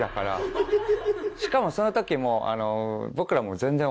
しかもその時もう僕らも全然。